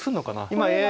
今ＡＩは。